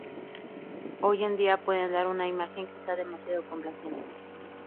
Hoy en día pueden dar una imagen quizá demasiado complaciente.